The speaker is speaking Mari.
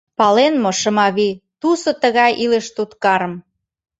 Пален мо Шымавий тусо тыгай илыш туткарым?